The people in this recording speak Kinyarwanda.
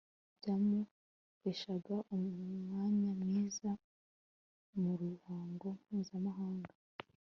byamuheshaga umwanya mwiza mu ruhando mpuzamahanga